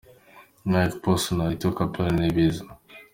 Mike Posner – “I Took A Pill In Ibiza”.